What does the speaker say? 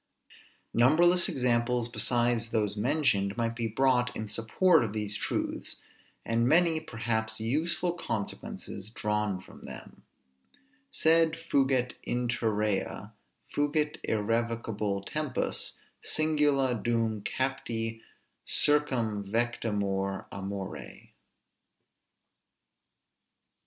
Numberless examples, besides those mentioned, might be brought in support of these truths, and many perhaps useful consequences drawn from them Sed fugit interea, fugit irrevocabile tempus, Singula dum capti circumvectamur amore.